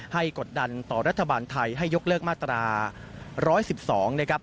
ให้กดดันต่อรัฐบาลไทยให้ยกเลิกมาตรา๑๑๒